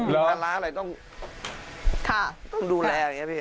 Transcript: มาล้านล้านอะไรต้องดูแลอย่างนี้